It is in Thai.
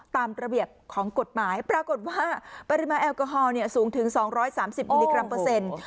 ตามระเบียบของกฎหมายปรากฏว่าปริมาณแอลกอฮอลสูงถึง๒๓๐มิลลิกรัมเปอร์เซ็นต์